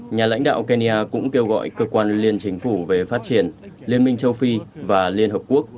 nhà lãnh đạo kenya cũng kêu gọi cơ quan liên chính phủ về phát triển liên minh châu phi và liên hợp quốc